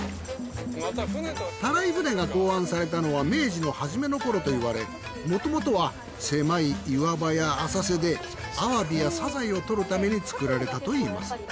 たらい舟が考案されたのは明治の始めの頃と言われもともとは狭い岩場や浅瀬でアワビやサザエをとるために作られたといいます。